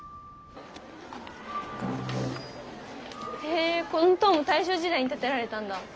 へえこの塔も大正時代に建てられたんだ。